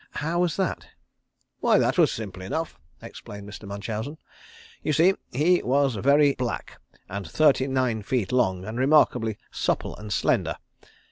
"How was that?" "Why that was simple enough," explained Mr. Munchausen. "You see he was very black, and thirty nine feet long and remarkably supple and slender.